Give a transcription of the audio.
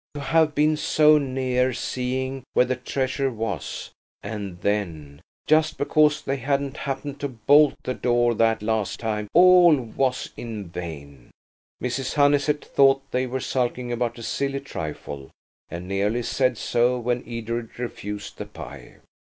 To have been so near seeing where the treasure was, and then–just because they hadn't happened to bolt the door that last time–all was in vain. Mrs. Honeysett thought they were sulking about a silly trifle, and nearly said so when Edred refused the pie.